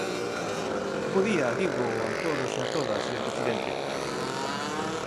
Bo día, digo, a todos e a todas, señor presidente.